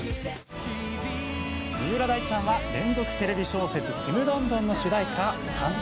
三浦大知さんは連続テレビ小説「ちむどんどん」の主題歌